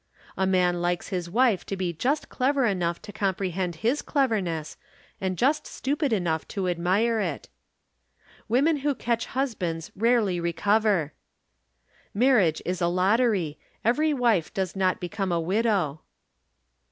A man likes his wife to be just clever enough to comprehend his cleverness and just stupid enough to admire it. Women who catch husbands rarely recover. Marriage is a lottery; every wife does not become a widow.